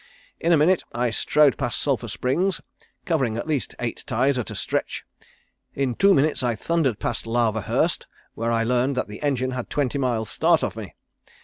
In a minute I strode past Sulphur Springs, covering at least eight ties at a stretch. In two minutes I thundered past Lava Hurst, where I learned that the engine had twenty miles start of me.